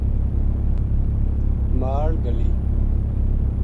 مال گلی